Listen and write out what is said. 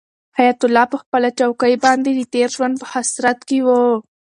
حیات الله په خپله چوکۍ باندې د تېر ژوند په حسرت کې و.